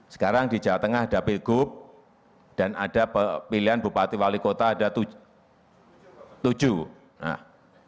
sekarang di jawa tengah ada pilgub dan ada pilihan bupati wali kota ada tujuh